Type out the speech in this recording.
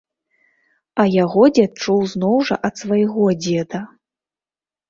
А яго дзед чуў зноў жа ад свайго дзеда.